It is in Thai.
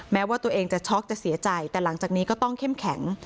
แม้ว่าตัวเองจะช็อกจะเสียใจแต่หลังจากนี้ก็ต้องเข้มแข็ง